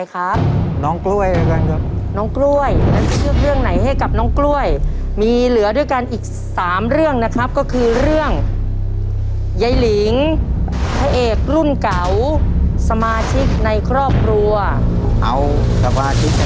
ขอบคุณครับ